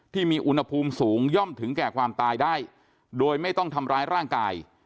ที่มีอุณหภูมิสูงย่อมถึงแก่ความตายได้โดยไม่ต้องทำร้ายร่างกาย